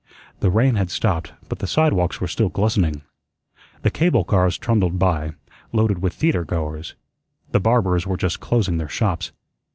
The rain had stopped, but the sidewalks were still glistening. The cable cars trundled by, loaded with theatregoers. The barbers were just closing their shops.